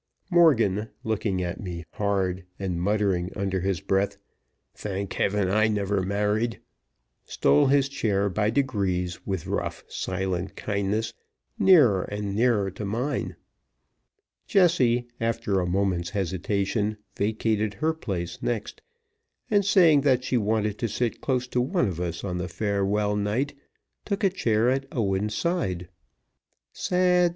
Morgan, looking at me hard, and muttering under his breath, "Thank Heaven, I never married!" stole his chair by degrees, with rough, silent kindness, nearer and nearer to mine. Jessie, after a moment's hesitation, vacated her place next, and, saying that she wanted to sit close to one of us on the farewell night, took a chair at Owen's side. Sad!